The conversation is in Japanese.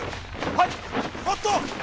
はい！